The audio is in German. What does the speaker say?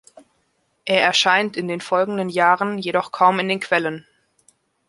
Er erscheint in den folgenden Jahren jedoch kaum in den Quellen.